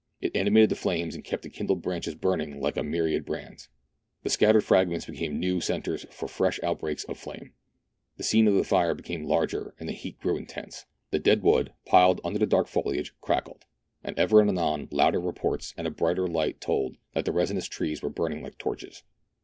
It animated the flames, and kept the kindled branches burning like a myriad brands. The scat tered fragments became new centres for fresh outbreaks of flame ; the scene of the fire became larger, and the heat grew intense. The dead wood piled under the dark foliage crackled, and ever and anon louder reports and a brighter light told that the resinous trees were burning like torches.